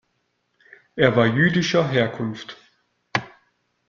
Er war jüdischer Herkunft.